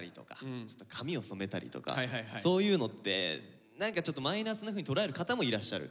そういうのって何かちょっとマイナスなふうに捉える方もいらっしゃる。